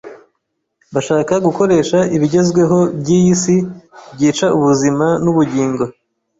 bashaka gukoresha ibigezweho by’iyi si, byica ubuzima n’ubugingo.